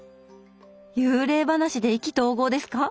幽霊話で意気投合ですか？